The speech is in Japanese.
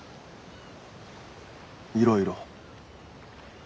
「いろいろ」。